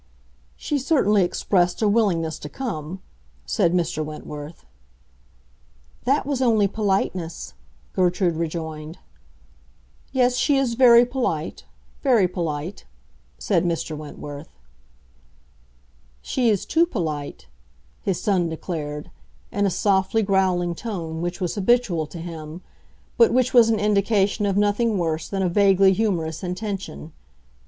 "She certainly expressed a willingness to come," said Mr. Wentworth. "That was only politeness," Gertrude rejoined. "Yes, she is very polite—very polite," said Mr. Wentworth. "She is too polite," his son declared, in a softly growling tone which was habitual to him, but which was an indication of nothing worse than a vaguely humorous intention.